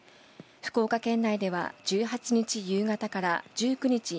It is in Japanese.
福岡県内では１８日夕方から１９日